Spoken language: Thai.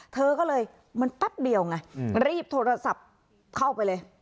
เธอก็เลยมันแป๊บเดียวไงรีบโทรศัพท์เข้าไปเลย